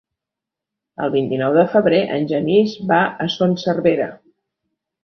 El vint-i-nou de febrer en Genís va a Son Servera.